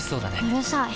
うるさい。